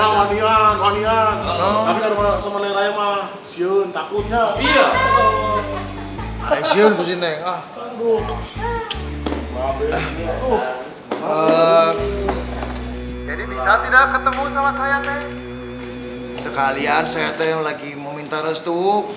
jadi bisa tidak ketemu sama saya sekalian saya yang lagi meminta restu